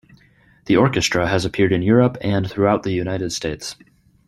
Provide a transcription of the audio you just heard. The orchestra has appeared in Europe and throughout the United States.